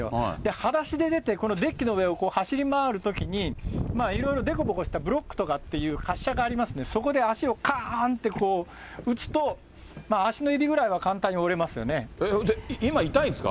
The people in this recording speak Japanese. はだしで出て、このデッキの上を走り回るときに、いろいろ、でこぼこしたブロックとかっていう、滑車がありまして、そこで足をかーんって、打つと、足の指ぐらい今、痛いんですか？